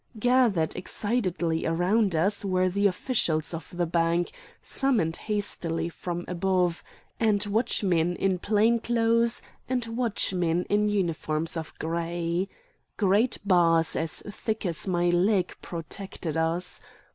Gathered excitedly around us were the officials of the bank, summoned hastily from above, and watchmen in plain clothes, and watchmen in uniforms of gray. Great bars as thick as my leg protected us.